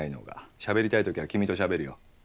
しゃべりたい時は君としゃべるよ。